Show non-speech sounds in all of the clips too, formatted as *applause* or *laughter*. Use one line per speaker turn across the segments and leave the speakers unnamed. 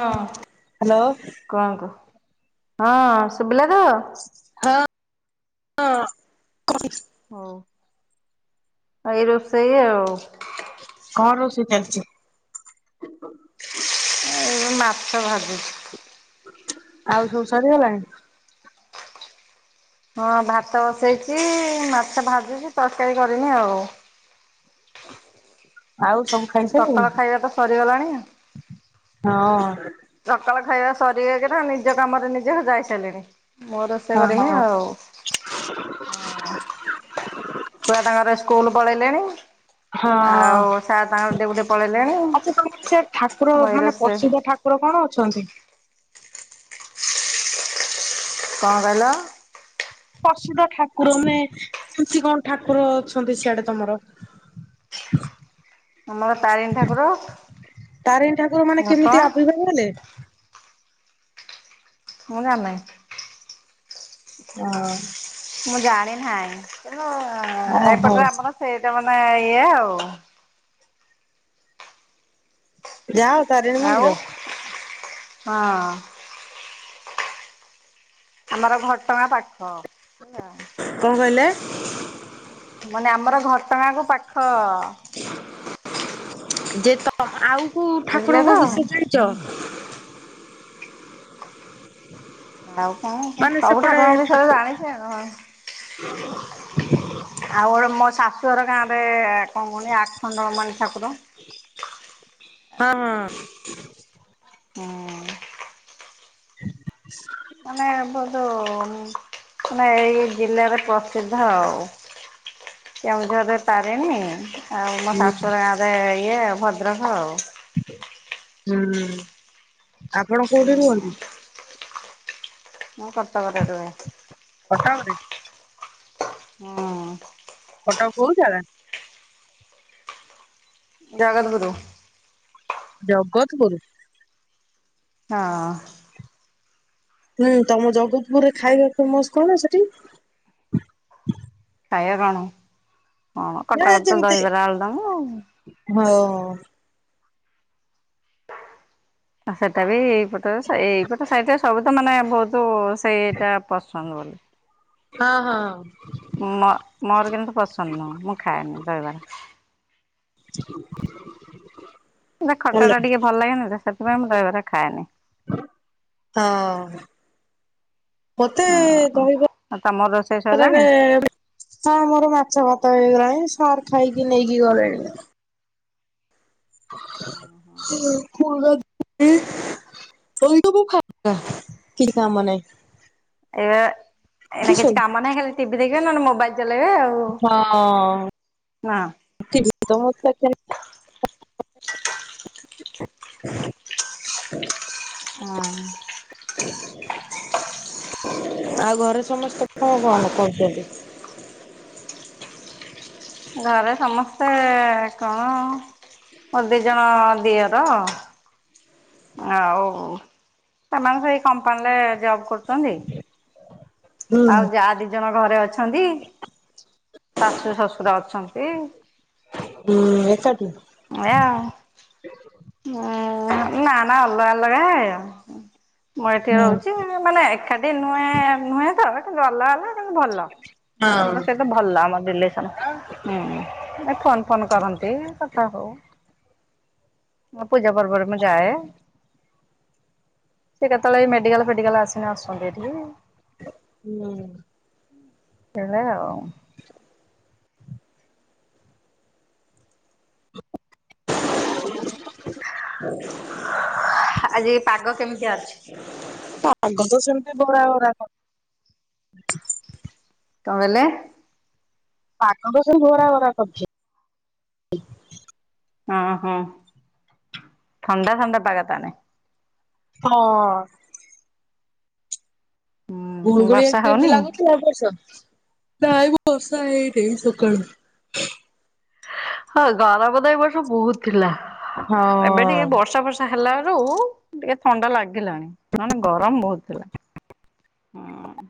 ହଁ
ହ୍ୟାଲୋ
କଣ କହ ହଁ ଶୁଭିଲା। ତ?
ହଁ ହଁ।
ହୋଉ। ଏଇ ରୋଷେଇ ଆଉ।
କଣ ରୋଷେଇ ଚାଲିଛି?
ଏଇ ମାଛ ଭାଜୁଛି।
ଆଉ ସବୁ ସରିଗଲାଣି।
ହଁ ଭାତ ବସେଇଛି। ମାଛ ଭାଜୁଛି। ତରକାରୀ କରିନି ଆଉ।
ଆଉ ସବୁ
ସକାଳ
ଖାଇସଇଲାଣି।
ଖାଇବା ତ ସରିଗଲାଣି
ହଁ।
ସକାଳ ଖାଇବା ସରିଗକ ତା ନିଜ କାମରେ ନିଜେ ଯାଇ ସାରିଲିଣି। ମୋ ରୋଷେଇ
ହଁ
କରିମି
ହଁ
ଆଉ ହଁ। ପଳେଇଲେଣି।
ହଁ
ଆଉ ସାର୍ ତାଙ୍କର ଡ୍ୟୁଟି ପଳେଇଲେଣି।
ଆଛା ତମର ସେ ଠାକୁର
ମୁଁ ଏଇ
ମାନ
ରୋଷେଇ
ପ୍ରସିଦ୍ଧ ଠାକୁ କୁର କଣ ଅଛନ୍ତି?
କଣ କହିଲ?
ପ୍ରସିଦ୍ଧ ଠାକୁର ମାନେ କେମିତି କଣ ଠାକୁର ଅଛନ୍ତି ସିଆଡେ ତମର? *inaudible*
ଆମର ତାରିଣୀ ଠାକୁର।
ତାରିଣୀ ଠାକୁର ମାନେ
ଘଟଗାଁ
କେମିତି ଆବିର୍ଭାବ ହେଲେ?
ମୁଁ ଜାଣ ନହିଁ।
ଅ
ମୁଁ ଜାଣି ନାହିଁ। କିନ୍ତୁ
ଓହୋ
ଏପଟରେ ଆପଣ ସେତ ନା ଇଏ ଆଉ।
ଯାଉ ତାରିଣୀ
ଆଉ
ମନ୍ଦିର।
ହଁ। ଆମର ଘଟଗାଁ ପାଖ ହେଲା।
କଣ କହିଲେ?
ମାନେ ଆମର ଘଟଗାଁ କୁ ପାଖ।
ଯେ ତ ଆଉ କୋଉ
ବୁଝିଲେ ତ।
ଠାକୁରଙ୍କ ବିଷୟ ଜାଣିଛ।
ଆଉ କଣ କ
ମାନେ
ସବୁ
ସେପଟେ
ଠାକୁରଙ୍କ ବିଷୟରେ
ଠାକୁ
ଜାଣିଛ ହଁ। ଆଉ ମୋ ଶାଶୁର ଗାଁ ରେ କଣ କଣ ଆଖଣ୍ଡଳମଣି ଠାକୁର।
ହଁ ହଁ।
ହୁଁ।
*inaudible*
ଆମେ ଆବ ମାନେ ଏଇ ଜିଲ୍ଲାରେ ପ୍ରସିଦ୍ଧ ଆଉ। କେଉଁଝରରେ ତାରିଣୀ ଆଉ ମୋ
ହୁଁ
ଶାଶୁରୁର ଗାଁରେ ଇଏ ଭଦ୍ରକ ଆଉ।
ହୁଁ ଆପଣ କୋଉଠି ରୁହନ୍ତି?
ମୁଁ କଟକରେ ରୁହେ।
କଟକରେ।
ହଁ।
କଟକ କୋଉ ଜାଗା?
ଜଗତଗୁରୁ।
ଜଗତଗୁରୁ।
ହଁ।
ହୁଁ ତମ ଜଗତପୁରରେ ଖାଇବା ଫେମସ୍ କଣ ସେଠି?
ଖାଇବା କଣ? ଅଁ
ନା
କଟକରେ ତ
ଯେମିତି
ଦହିବରା ଆଳୁଦମ ଆଉ।
ହଁ।
ଆ ସେଇଟା ବି ଏଇପଟ ଏଇପଟ ସାଇଟ ସବୁ ତ ମାନେ ବହୁତ ସେଇ ଏଇଟା ପ ସାଙ୍ଗ ଘରେ।
ହଁ ହଁ।
ମୋ ମୋର କିନ୍ତୁ ପସନ୍ଦ ନୁହୁଁ। ମୁଁ ଖାଏନି ଦହିବରା।
*inaudible*
ସେ
ଭଲ
ଖଟା ଟା ଟିକେ ଭଲ ଲାଗେନି ତ ସେଥିପାଇଁ ମୁଁ ଦହିବରା ଖାଏନି।
ହଁ ମତେ
ହଁ ଆଉ ତମର ରୋଷେଇ
ଦହିବରା ଖରାରେ
ସରିଲାଣି
ହଁ ମୋର ମାଛ ଭାତ ହେଇଗଲାଣି। ସାର୍ ଖାଇକି ନେଇଁ କିି ଗଲେଣି। *inaudible* ପୁରା ପୁରି ଅଇକା ମୁଁ ଫାଙ୍କା କିଛି କାମ ନାହିଁ।
ଏବେ
କି
ଏଇନା କିଛି
ଶୋଇବୁ।
କାମ ନାହିଁ, ହେଲେ ଟିଭି ଦେଖିବେ ନହେଲେ ମୋବାଇଲ। ଚଲେଇବେ ଆଉ
ହଁ
ନା
ଟିଭି ତ *unintelligible*
ହଁ।
ଆଉ ଘରେ ସମସ୍ତେ କଣ କଣ କରୁଛନ୍ତି?
ଘରେ ସମସ୍ତେ କଣ ମୋର ଦି ଜଣ ଦିଅର। ଆଉ ସେମାନେ ସେଇ କମ୍ପାନୀରେ ଜବ କରୁଛନ୍ତି।
ହୁଁ
ଆଉ ଯା ଦି ଜଣ ଘରେ ଅଛନ୍ତି। ତା ଶାଶୁ ଶଶୁର ଅଛନ୍ତି।
ନୁହେଁ *unintelligible*
ସେଇଆ। ହୁଁ ନା ନା ଅଲଗା ଅଲଗା ମୁଁ ଏଠି
ହୁଁ
ରହୁଛି ମାନେ ଏକାଠି ନୁହେଁ, ନୁହେଁ ତ ଗଲା ହେଲା ବାକି ଭଲ। ତମ
ହଁ।
ତ ସେଇଠି ଭଲ ଆମ ରିଲେ ହୁଁ ଫୋନ ଫୋନ୍ କରନ୍ତି କଥା ହଉ। ହୁଁ ପୂଜା ପର୍ବରେ ମୁଁ ଯାଏ। ସେ କେତେବେଳେ ମେଡିକାଲ ଫେଡିକାଲ ଆସିନି ଆସନ୍ତି ଏଠିକି।
ହୁଁ।
ହେଲା ଆଉ। ହୁଁ ଆଜି ପାଗ କେମିତି ଅଛି?
ଆଗ ତ ସେମିତି ବରା ବରା କରି
କଣ କହିଲେ?
ପାଗ ତ ସେମିତି ଘରା ଘରା କରୁଛି।
ହଁ ହଁ ଥଣ୍ଡା ଥଣ୍ଡା ପାଗ ତାହାନେ।
ହଁ। ଗୁଳୁ
ହୁଁ
ଗୁଳି
ବର୍ଷା
କେମତି
ହଉନି?
ଲାଗୁଛି ଏ ବର୍ଷ? ଏ ବର୍ଷ ହେଇନି ସକାଳୁ।
ହଁ ଗରମ ତ ଏ ବର୍ଷ ବହୁତ ଥିଲା
ହଁ
ଏବେ ଟିକେ
ଆଉ
ବର୍ଷା ଫର୍ଷା ହେଲା। ରୁ ଟିକେ ଥଣ୍ଡା ଲାଗିଲାଣି ନ ହେଲେ ଗରମ ବହୁତ ଥିଲା। ହୁଁ।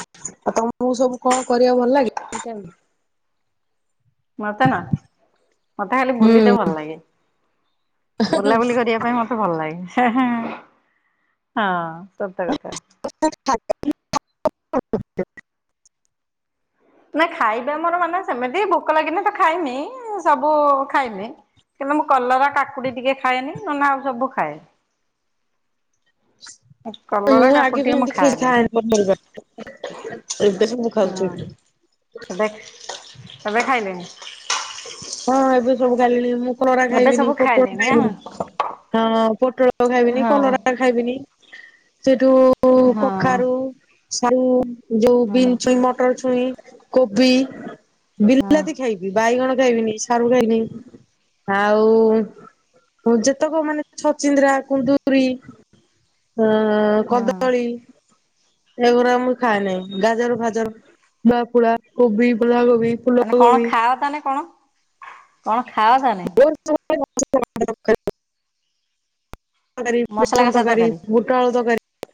ଆଉ ତମକୁ ସବୁ କଣ କରିବା ଭଲ ଲାଗେ?
ମତେ ନା ମତେ ଖାଲି
ହୁଁ
ବୁଲିତେ ଭଲ ଲାଗେ। ବୁଲାବୁଲି କରିବା ପାଇଁ ମତେ ଭଲ ଲାଗେ। ହେଁ ହେଁ ହଁ ସତ କଥା।
*unintelligible*
ନା ଖାଇବା ମୋର ମାନେ ସେମିତି ଭୋକ ଲାଗିନି ତ ଖାଇମି ସବୁ ଖାଇମି। କିନ୍ତୁ ମୁଁ କଲରା, କାକୁଡି ଟିକେ ଖାଏନି ନହନେ ଆଉ ସବୁ ଖାଏ।
*inaudible*
କଲରା
ମୁଁ
କାକୁଡି
ଆଗେ ବି
ଟିକେ ମୁଁ
ଏମିତି କ୍ଷୀରି ଖାଏନି *unintelligible* ମୁଁ ସବୁ ଖାଉଛି।
ହଁ ଏବେ ଏବେ ଖାଇଲେଣି
ହଁ ଏବେ ସବୁ ଖାଇଲେଣି। ମୁଁ କଲରା
ଏବେ
ଖାଇବି ନି,
ସବୁ
ପୋଟଳ
ଖାଇଲେଣି
ଖାଇବି
ଆଁ
ନି, ହଁ। ପୋଟଳ ଖାଇବି ନି,
ହଁ
କଲରା ଖାଇବି ନି, ସେଇଠୁ
ହଁ
କଖାରୁୁ ସାରୁ ଯୋଉ
ହଁ
ବିନ ଛୁଇଁ, ମଟର ଛୁଇଁ, କୋବି
ହଁ
ବିଲାତି ଖାଇବି, ବାଇଗଣ ଖାଇବିନି, ସାରୁ ଖାଇନି ଆଉ ହଉ ଯେତେକ ମାନେ ଛଚିନ୍ଦ୍ରା କୁନ୍ଦୁରି ହଁ
ହଁ।
କଦଳୀ। ଏଗୁଡା ମୁଁ ଖାଇଏ ନାଇଁ ଗାଜର ଭାଜର ପୁଳା କୋବି ପ
ତାନେ କଣ ଖାଅ ତାନେ କଣ କଣ ଖାଅ ତାନେ?
*unintelligible* କରି
ମସଲା
ବେସନ
କଷା
ତ କରି
ତରକାରୀ
ବୁଟାଳୁ ତ କରି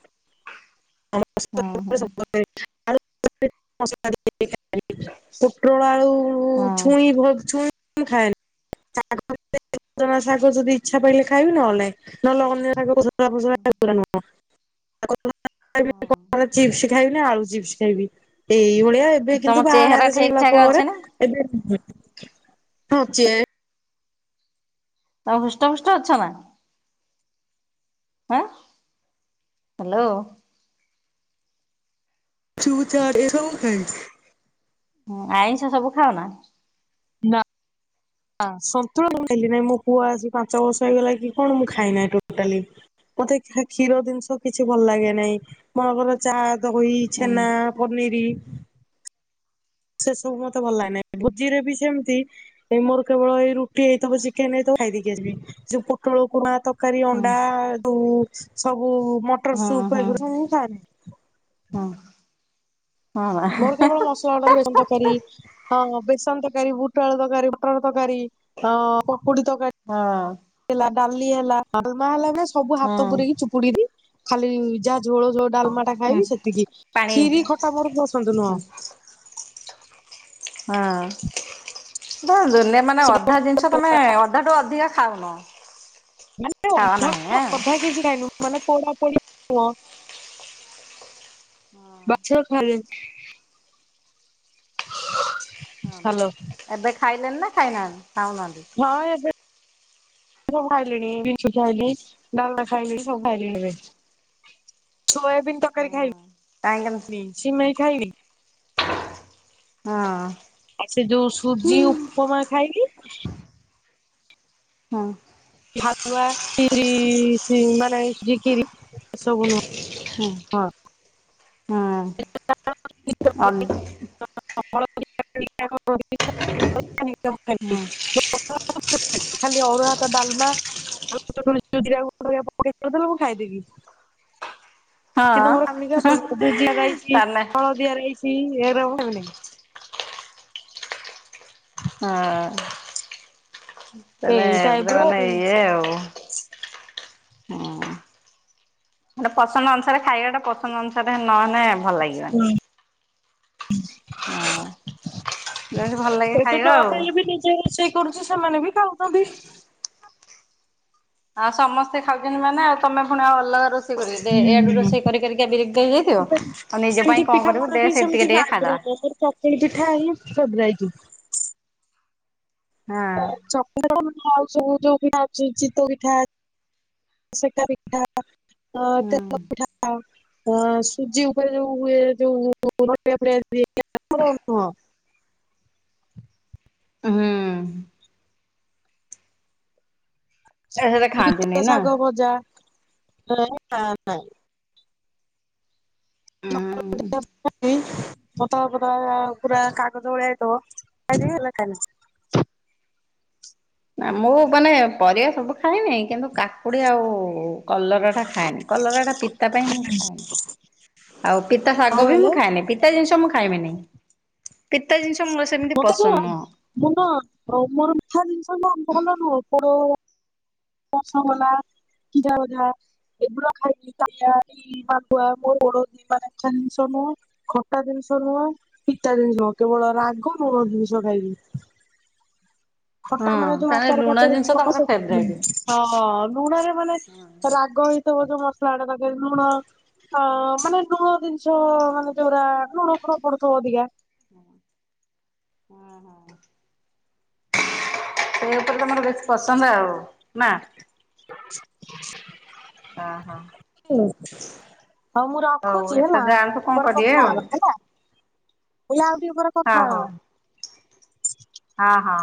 *unintelligible* *unintelligible*
ହଁ ହଁ
ଆଳ ପୁଟ୍ରୋଳ ଆଳୁ
ହଁ
ଛୁଇଁ ଛଇଁ କ ଖାଏନି। ଜଣା ଶାଗ ଯଦି ଇଚ୍ଛା ପାଇଲେ ଖାଇବେ ନେ ନହେଲେ ଅନ୍ୟ ଶାଗ। *unintelligible* ଖାଇବି ନା ଆଳୁ ଚିପ୍ସ ଖାଇବି ଏଇ ଏଇଭଳିଆ ଏବେ
ତମ
କିନ୍ତୁ
ଚେହେରା
ବାହାଣାରେ
ଠିକ
ଯଇଲା
ଠାକ
ପରେ
ଅଛି ନା
ଏବେ ହଁଛି।
ତ ହୃଷ୍ଟ ଫୃଷ୍ଟ ଅଛ ନା। ଆଁ ହ୍ୟାଲୋ।
ଚୁ ଚଡ଼ ଏ ସବୁ ଖଛି।
ଆଇଁଷ ସବୁ ଖାଉ ନା?
ନା। ସନ୍ତୁଳ ହେଲି ନାହିଁ ମୋ ପୁଅ ଆସି ପାଞ୍ଚ ବର୍ଷ ହେଇଗଲା କି କଣ ମୁ ଖାଇନାହିଁ ଟୋଟାଲି ମତେ କ୍ଷୀର ଜିନିଷ କିଛି ଭଲ ଲାଗେ ନାହିଁ ମଙ୍କର ଚା ଦହି
ହୁଁ
ଛେନା ପନିର ସେ ସବୁ ମତେ ଭଲ ଲାଗେନାହିଁ ଭୋଜି ରେ ବି ସେମିତି ଏଇ ମୋର କେବଳ ଏଇ ରୁଟି ହେଇଥିବ ଚିକେନ ହେଇଥିବ। ଖାଇଦେକି ଯିବ ଯୋଉ ପୋଟଳକୁ ନା? ତରକାରୀ
ହୁଁ
ଅଣ୍ଡା ସବୁ ମଟର
ହୁଁ ହୁଁ ହଁ
ସୁପ
ହଁ
ଏଗ ଖାଏନି।
ବା
ମୋର କେବଳ ମସଲା ଅର୍ଡର ହେ ତର ବେସନ ତରକାରୀ ବୁଟଳୁ ତରକାରୀ ମଟର ତରକାରୀ। ତରକାରୀ
ହଁ।
ହେଲା ଡାଲି ହେଲା ଡାଲମା ହେଲା ସବୁ ହାତ
ହଁ
ପୁରି ଚୁପୁଡିରେ ଖାଲି ଯାହାଝୋଳୋ ଡାଲମାଟା
ହୁଁ
ଖାଇବି ସେତିକି ଖ୍ଷୀରି
ପାଣି
ଖଟା ବରକୁ ବସନ୍ତୁ ନୁହଁ।
ହଁ ଧ। ଦୁନେ ମାନେ ଅଧା ଜିନିଷ ତମେ ଅଧା ଟୁ ଅଧିକା ଖାଉନ।
ମାନେ
ଖାଅ
ଅଧା
ନାହିଁ
ଅଧା କେଜି ଖାଇୁ ମାନେ ପୋଡା ପୋଡି ବାଛା ଖଲ।
ହଁ ଏବେ ଖାଇଲେନି ନା ଖାଇନାହାନ୍ତି ଖାଉନାହାନ୍ତି?
*inaudible* ସବୁ ଖାଇଲିଣି ବିଛୁ ଖାଇଲି ଡାଲ ଖାଇଲିଣି ସବୁ ଖାଇଲିଣି ଏବେ। ସୋୟାବିନ୍ ତରକାରୀ
କାହିଁକି
ଖାଇବି ସିମାଇ ଖାଇବି।
ହଁ।
ଆ ସେ ଯୋଉ ସୁବଜି ଉପମା ଖାଇବି।
ହଁ।
ହାଦୁଆରି ମାନେରି ଏ ସବୁ ନୁହଁ।
ହଁ।
*unintelligible*
*unintelligible*
*unintelligible* ଖାଲି ଅରୁୁଆ
ହୁଁ।
ଭାତ ଡାଲମା *unintelligible* ମୁଁ ଖାଇଦେବି।
ହଁ
କିନ୍ତୁ ମୋର ଆମିକା ଦୁଦଆ ରହିଛି
ତାନେ
ହଳଦିଆ ରହିଛି କେନ।
ହଁ ମେ
ଏଇ ଟାଇପ୍
ଏବେଟା
ର
ମାନେ
ହୁଁ
ଇଏ ଆଉ। ହଁ ଗୋଟେ ପସନ୍ଦ ଅନୁସାରେ ଖାଇବା ଟା ପସନ୍ଦ ଅନୁସାରେ ହେ। ନହେଲେ ଭଲ ଲାଗିବନି। ହଁ ଯେମିତି ଭଲ ଲାଗେ
ଏବେ
ଖାଇବା
ତ ଅ
ଆଉ।
ବନେଇଲି ନିଜେ ରୋଷେଇ। କରୁଛି ସେମାନେ ବି ଖାଉଛନ୍ତି।
ଆଉ ସମସ୍ତେ ଖାଉଛନ୍ତି! ମାନେ ଆଉ ତମେ କଣ ଅଲଗା ରୋଷେଇ ଦେ ଏଆଡୁ
ହୁଁ।
ରୋଷେଇ କରି କରିକି ବିିରକ୍ତି ହେଇଯାଇଥିବ! ଆଉ ନିଜ ପାଇଁ କଣ କରିବୁ ଦେ ସେଇ
ଯିବା ଆଗରୁ ମୋର ଚକୁଳି ପିଠା ହେଲା ଫେବ୍ରିଟ।
ହଁ।
*unintelligible* ଆଉ ସବୁ ଯୋଉ ପିଠା ଅଛି ଚିତଉ ପିଠା ସେକା ପିଠା। ହ ତା *unintelligible*
ହୁଁ
ପିଠା ଆଉ। ହ ସୁଜି ଉପରେ ଯୋଉ ହୁଏ ଯୋଉ *unintelligible* *inaudible*
ହୁଁ। ଏ ହେଡା ଖାନ୍ତିନେଇନା।
ହ ନା ନା।
ଉଁ।
ପତଳା ପତଳା ପୁରା କାଗଜ ଭଳିଆ ହେଇଥିବ! ଖାଇଦେବି ହେଲା ଖାଇ ନ
ନା ମୁଁ ମାନେ ପରିବା ସବୁ ଖାଏନେଇ, କିନ୍ତୁ କାକୁଡ଼ି ଆଉ କଲରାଟା ଖାଏନି କଲରାଟା ପିତା ପାଇଁ ମୁଁ ଖା
*inaudible*
ଆଉ ପିତା ଶାଗ ବି ମୁଁ
କହିଲେ
ଖାଏନି। ପିତା ଜିନିଷ ମୁଁ ଖାଇମିନି ପିତା ଜିନିଷ ମୋର ସେମିତି
ମତେ ନୁହ
ପସନ୍ଦ ନୁହଁ
ମୁଁ ନ ଅ ମୋର ମିଠା ଜିନିଷ ଭଲ ନୁହଁ ମୋର ପସନ୍ଦ ହେଲା କ୍ଷୀର ଗଜା। ଏଗୁଡା ଖାଇକି *unintelligible* ଜିନିଷ ନୁହଁ ଖଟା ଜିନି ଜିନିଷ ନୁହଁ ପିତା ଜିନିଷ ନୁହ କେବଳ ରାଗ ନୁ ଜିନିଷ ଖାଇବି।
ହଁ
ଖଟା ମାନେ ଯୋଉ
ତାହେଲେ
ଆଚାର
ଲୁଣ
ଫାଚାର
ଜିନିଷ
*unintelligible*
ତମର
ସେଗୁଡା
ଫେବରାଇଟ।
ନୁହେଁ। ହଁ ଲୁଣ ରେ ମାନେ
ହଁ।
ରାଗ ହେଇଥିବ, ଯୋଉ ମସଲା ଉଡା ପକେଇକି ଲୁଣ ହଁ ମାନେ ଲୁଣ ଜିନିଷ ମାନେ ଯୋଉରା ଲୁଣ ଫୁଣ ପଡୁଥିବ ଅଧିକା।
ହୁଁ ହଁ। ସେଇତ ତମର ବେଶି ପସନ୍ଦ ଆଉ ନା।
*inaudible*
ହ ହଁ।
ହଉ ମୁଁ ରଖୁଛି
ଏଥର
ହେଲା
ଯାଆନ୍ତୁ କଣ
ପରେ
କରିବେ
କଥା
ଆଉ
ହେବା ହେଲା। ମୁଁ କଲି ଆଉ ଟିକେ ପରେ
ହଉ
କଥା ହେବା।
ହଁ ହଁ।